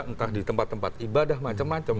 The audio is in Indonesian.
entah di tempat tempat ibadah macam macam